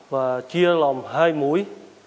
và chia lòng hai mũi